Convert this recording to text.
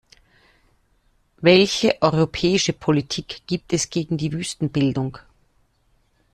Welche europäischen Politik gibt es gegen die Wüstenbildung?